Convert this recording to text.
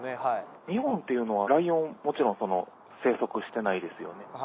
はい☎日本っていうのはライオンもちろんその☎生息してないですよね？